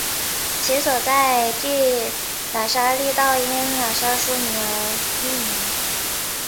其所在地喇沙利道因喇沙书院而命名。